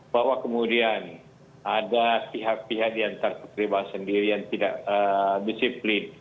bahwa kemudian ada pihak pihak diantara pekerjaan sendiri yang tidak disiplin